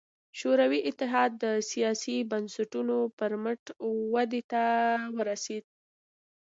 شوروي اتحاد د سیاسي بنسټونو پر مټ ودې ته ورسېد.